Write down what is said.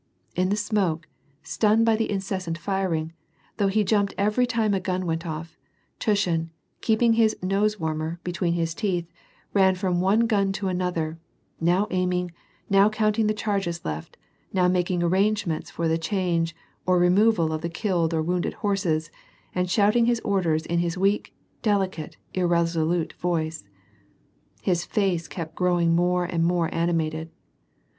In the smoke, stunned hy the incessant firing, though he jumped every time a gun went off, Tushin, keeping his "nose warmer' between his teeth, ran from one gun to another, now aiming, now counting the charges left, now making arrangements for the change or re moval of the killed or wounded horses, and shouting his orders in his weak, delicate, irresolute voice. His face kept growing more and more animated.